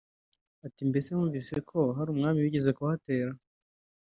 ati “Mbese wumvise ko hari umwami wigeze kuhatera